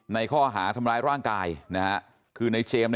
ในข้อหาทำร้ายร่างกายนะฮะคือในเจมส์